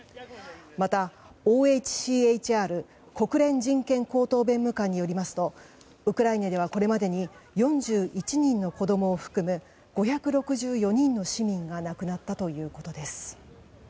また、ＯＨＣＲ・国連人権高等弁務官によりますとウクライナにはこれまでに４１人の子供を含む５６４人の市民が亡くなったということです。